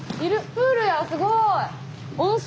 プールやすごい！